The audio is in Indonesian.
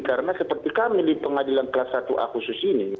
karena seperti kami di pengadilan kelas satu a khusus ini